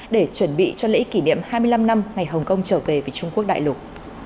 để chuẩn bị cho lễ kỷ niệm hai mươi năm năm ngày hồng kông trở về với trung quốc đại lục